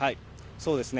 そうですね。